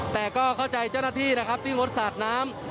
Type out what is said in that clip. แต่ก็เข้าใจเจ้าหน้าที่นะครับที่งดสาดน้ำ